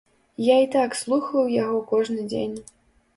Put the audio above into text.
Я і так слухаю яго кожны дзень.